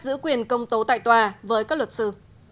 giữ quyền công tố tại tòa với các luật sư